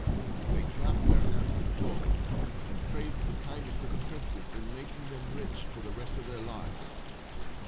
They clapped their hands with joy, and praised the kindness of the princess in making them rich for the rest of their lives.